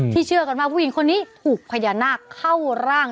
เชื่อกันว่าผู้หญิงคนนี้ถูกพญานาคเข้าร่าง